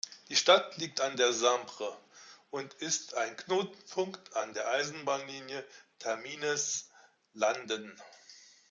Die Stadt liegt an der Sambre und ist ein Knotenpunkt an der Eisenbahnlinie Tamines–Landen.